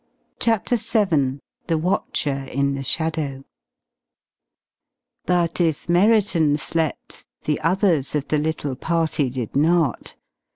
CHAPTER VII THE WATCHER IN THE SHADOW But if Merriton slept, the others of the little party did not.